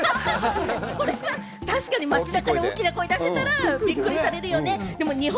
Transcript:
それは確かに街中で大きな声出していたらびっくりされるよね。